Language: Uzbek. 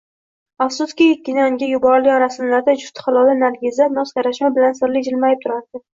Afsuski, Kenanga yuborilgan rasmlarda jufti haloli Nargiza noz-karashma bilan sirli jilmayib turardi